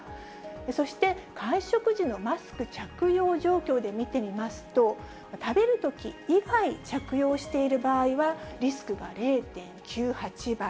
そして、会食時のマスク着用状況で見てみますと、食べるとき以外着用している場合はリスクが０．９８倍。